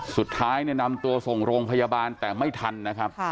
สุดท้ายเนี่ยนำตัวส่งโรงพยาบาลแต่ไม่ทันนะครับ